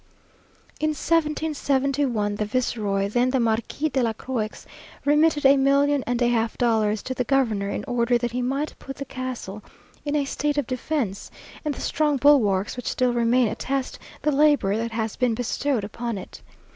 In 1771 the viceroy, then the Marquis de la Croix, remitted a million and a half of dollars to the governor, in order that he might put the castle in a state of defence; and the strong bulwarks which still remain, attest the labour that has been bestowed upon it.